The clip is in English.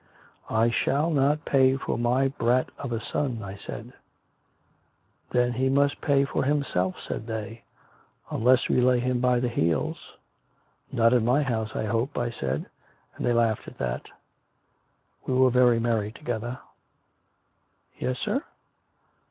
' I shall not pay for my brat of a son,' I said. ' Then he must pay for himself,' said they, ' unless we lay him by the heels.' * Not in my house, I hope,' I said; and they laughed at that. We were very merry together." "Yes, sir?"